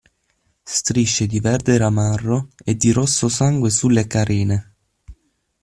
Strisce di verde ramarro e di rosso sangue sulle carene.